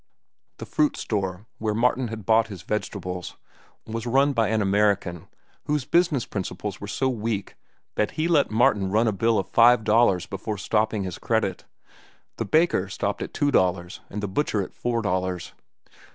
The fruit store, where Martin had bought his vegetables, was run by an American whose business principles were so weak that he let Martin run a bill of five dollars before stopping his credit. The baker stopped at two dollars, and the butcher at four dollars.